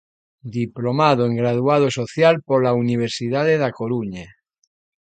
Diplomado en Graduado Social pola Universidade da Coruña.